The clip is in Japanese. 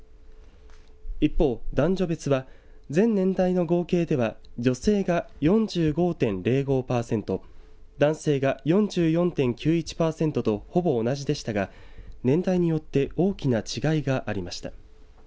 一方、男女別は全年代の合計では女性が４５．０５パーセント男性が４４．９１パーセントとほぼ同じでしたが年代によって大きな違いがありました。